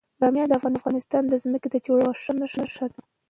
بامیان د افغانستان د ځمکې د جوړښت یوه ښه نښه ده.